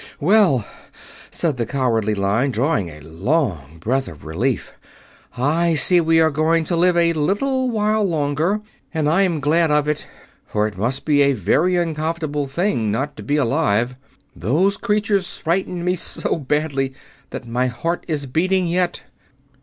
"Well," said the Cowardly Lion, drawing a long breath of relief, "I see we are going to live a little while longer, and I am glad of it, for it must be a very uncomfortable thing not to be alive. Those creatures frightened me so badly that my heart is beating yet."